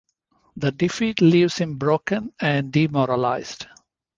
The defeat leaves him broken and demoralised.